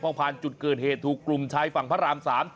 พอผ่านจุดเกิดเหตุถูกกลุ่มชายฝั่งพระราม๓